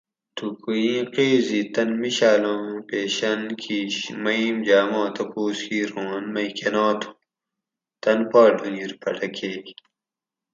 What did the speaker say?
تھوکو ای قیضی (تن مشالاں پیشن کیش) مئیم جاۤ ما تپوس کیر اُوں ان مئی کۤناں تُھو؟ تن پا ڈُھونگیر پھٹکیئے